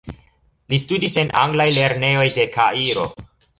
Li studis en anglaj lernejoj de Kairo.